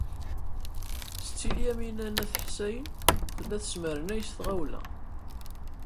Setti Lyamina n At Ḥsayen tella tesmernay s tɣawla.